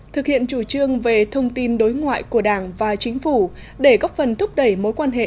thực hiện chủ trương về thông tin đối ngoại của đảng và chính phủ để góp phần thúc đẩy mối quan hệ